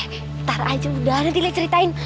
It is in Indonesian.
ntar aja udah nanti le ceritain